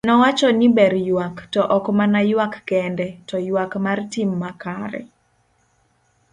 Nowacho ni ber ywak, to ok mana ywak kende, to ywak mar tim makare.